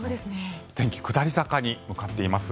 天気、下り坂に向かっています。